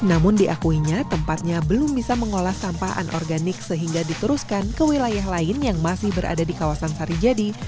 namun diakuinya tempatnya belum bisa mengolah sampah anorganik sehingga diteruskan ke wilayah lain yang masih berada di kawasan sarijadi